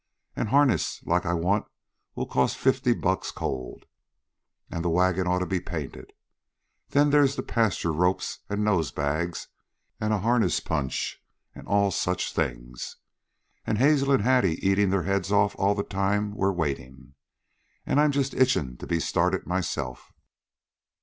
An' harness like I want will cost fifty bucks cold. An' the wagon ought to be painted. Then there's pasture ropes, an' nose bags, an' a harness punch, an' all such things. An' Hazel an' Hattie eatin' their heads off all the time we're waitin'. An' I 'm just itchin' to be started myself."